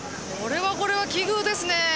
これはこれは奇遇ですね。